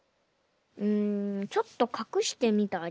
うんちょっとかくしてみたり。